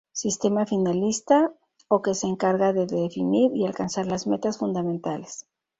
Sistema finalista o que se encarga de definir y alcanzar las metas fundamentales.